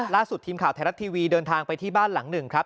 ล่าสุดทีมข่าวไทยรัฐทีวีเดินทางไปที่บ้านหลังหนึ่งครับ